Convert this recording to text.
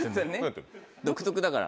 独特だから。